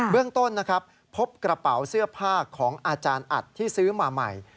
เรื่องต้นนะครับพบกระเป๋าเสื้อผ้าของอาจารย์อัดที่ซื้อมาใหม่